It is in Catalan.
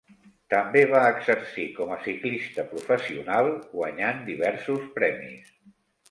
També va exercir com a ciclista professional, guanyant diversos premis.